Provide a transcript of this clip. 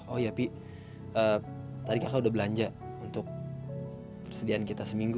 oh yapi tadi kakak udah belanja untuk persediaan kita seminggu